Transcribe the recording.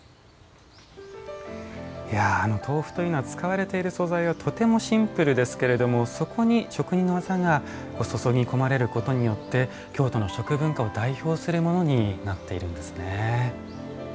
豆腐というのは使われている素材はとてもシンプルですけれどもそこに職人の技が注ぎ込まれることによって京都の食文化を代表するものになっているんですね。